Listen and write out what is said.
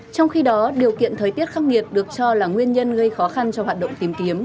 trong khi đó điều kiện thời tiết khắc nghiệt được cho là nguyên nhân gây khó khăn cho hoạt động tìm kiếm